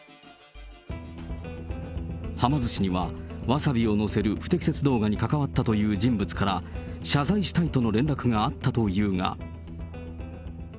はま寿司には、わさびをのせる不適切動画に関わったという人物から、謝罪したいとの連絡があったというが。